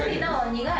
苦い？